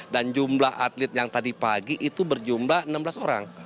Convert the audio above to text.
dan jumlah atlet yang tadi pagi itu berjumlah enam belas orang